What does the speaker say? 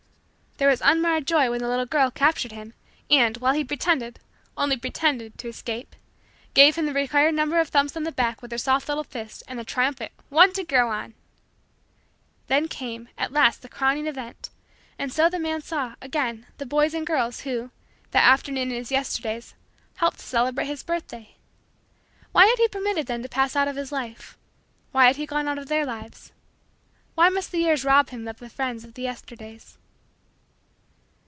There was unmarred joy when the little girl captured him and, while he pretended only pretended to escape, gave him the required number of thumps on the back with her soft little fist and the triumphant "one to grow on." Then came, at last, the crowning event: and so the man saw, again, the boys and girls who, that afternoon in his Yesterdays, helped to celebrate his birthday. Why had he permitted them to pass out of his life? Why had he gone out of their lives? Why must the years rob him of the friends of the Yesterdays?